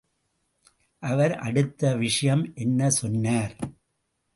அவர் அடுத்த விஷயம் என்ன சொன்னார்?